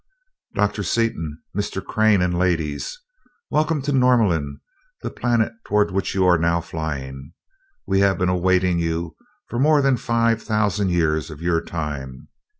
"Dr. Seaton, Mr. Crane, and ladies welcome to Norlamin, the planet toward which you are now flying. We have been awaiting you for more than five thousand years of your time.